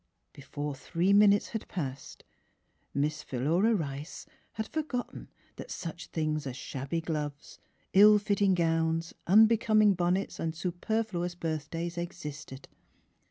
Before three minutes had passed Miss Philura Rice had i8 Miss Philitra forgotten that such things as shabby gloves, ill fitting gowns, unbecoming bonnets and superfluous birthdays existed.